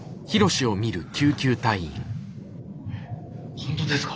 「本当ですか？」。